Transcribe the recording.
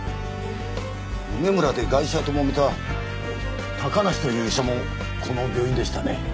梅むらでガイシャともめた高梨という医者もこの病院でしたね。